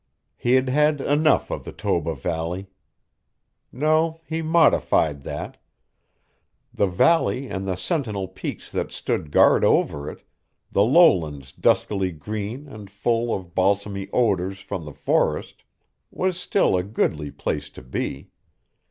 He had had enough of the Toba Valley. No, he modified that. The valley and the sentinel peaks that stood guard over it, the lowlands duskily green and full of balsamy odors from the forest, was still a goodly place to be.